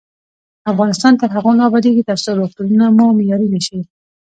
افغانستان تر هغو نه ابادیږي، ترڅو روغتونونه مو معیاري نشي.